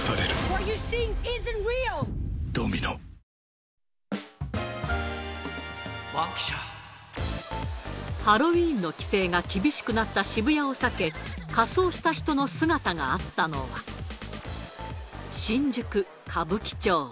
目の前でごみを拾ってる人がハロウィーンの規制が厳しくなった渋谷を避け、仮装した人の姿があったのは、新宿・歌舞伎町。